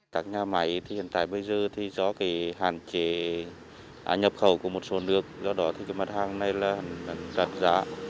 các nhà máy hiện tại bây giờ do hạn chế nhập khẩu của một số nước do đó mặt hàng này là đạt giá